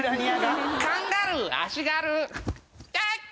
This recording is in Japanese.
「カンガルー足軽」ていっ！